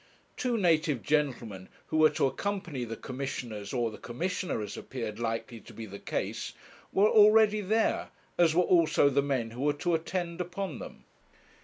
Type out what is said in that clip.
Two native gentlemen, who were to accompany the Commissioners, or the Commissioner, as appeared likely to be the case, were already there, as were also the men who were to attend upon them.